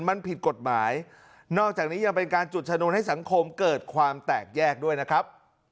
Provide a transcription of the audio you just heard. มันผิดกฎหมายนอกจากนี้ยังเป็นการจุดชนวนให้สังคมเกิดความแตกแยกด้วยนะครับ